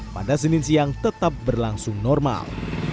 pada senin siang tetap berlangsung normal